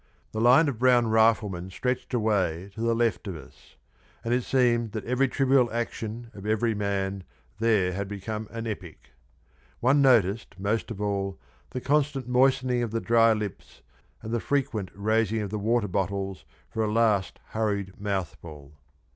The line of brown riflemen stretched away to the left of us, and it seemed that every trivial action of every man there had become an epic. One noticed most of all the constant moistening of the dry lips, and the frequent raising of the water bottles for a last hurried mouthful.